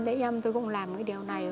để em tôi cũng làm cái điều này